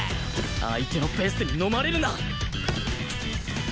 相手のペースにのまれるな！